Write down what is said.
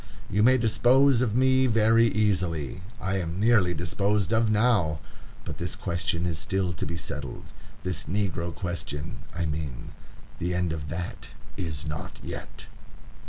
You may dispose of me very easily. I am nearly disposed of now; but this question is still to be settled,—this negro question, I mean; the end of that is not yet."